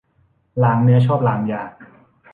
ลางเนื้อชอบลางยา